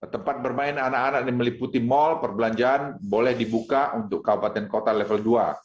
tempat bermain anak anak yang meliputi mall perbelanjaan boleh dibuka untuk kabupaten kota level dua